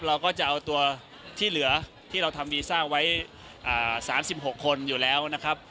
เราก็จะเอาตัวที่เหลือที่เราทำวีซ่าไว้๓๖คนอยู่แล้วนะครับ